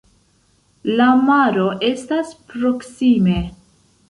La maro estas proksime.